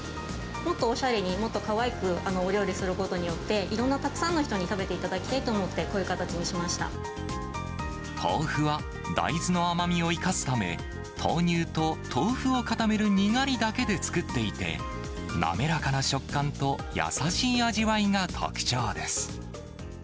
もっとおしゃれに、もっとかわいくお料理することによって、いろんなたくさんの人に食べていただきたいと思って、こういう形豆腐は大豆の甘みを生かすため、豆乳と豆腐を固めるにがりだけで作っていて、滑らかな食感と優しい味わいが特徴です。